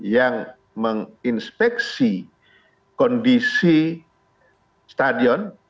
yang menginspeksi kondisi stadion